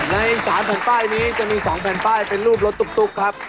ใน๓แผ่นป้ายนี้จะมี๒แผ่นป้ายเป็นรูปรถตุ๊กครับ